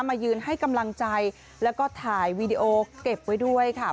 มายืนให้กำลังใจแล้วก็ถ่ายวีดีโอเก็บไว้ด้วยค่ะ